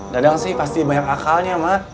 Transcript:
dadang sih pasti banyak akalnya mas